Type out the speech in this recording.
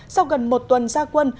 sau gần một tuần gia quân